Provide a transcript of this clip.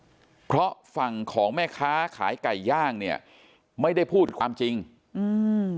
เพราะฝั่งของแม่ค้าขายไก่ย่างเนี้ยไม่ได้พูดความจริงอืม